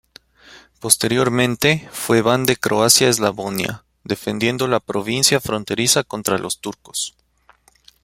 Posteriormente, fue Ban de Croacia-Eslavonia, defendiendo la provincia fronteriza contra los turcos.